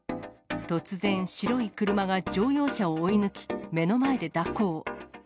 突然、白い車が乗用車を追い抜き、目の前で蛇行。